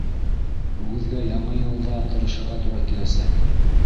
Үгеҙгә яңы йылда тырышырға тура киләсәк.